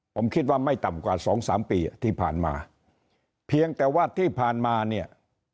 ผมคิดว่าไม่ต่ำกว่าสองสามปีอ่ะที่ผ่านมาเพียงแต่ว่าที่ผ่านมาเนี่ย